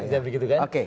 dia begitu kan